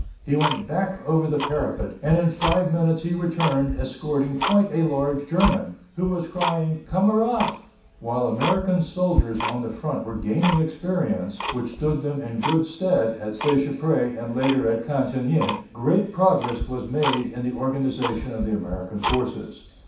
He went back over the parapet, and in five minutes he returned escorting quite a large German, who was crying: "Kamerad." While American soldiers on the front were gaining experience, which stood them in good stead at Seicheprey and later at Cantigny, great progress was made in the organization of the American forces.